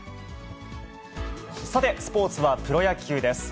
さて、スポーツはプロ野球です。